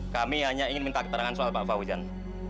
kami hanya ingin minta keterangan soal pak fauzan